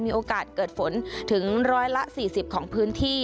มีโอกาสเกิดฝนถึง๑๔๐ของพื้นที่